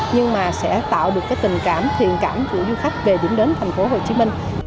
nhưng mà sẽ tạo được tình cảm thiện cảm của du khách về điểm đến tp hcm